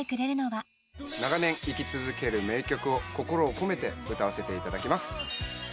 長年生き続ける名曲を心を込めて歌わせていただきます。